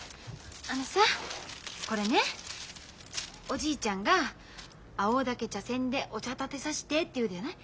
あのさこれねおじいちゃんが「青竹茶せんでお茶たてさして」って言うじゃない？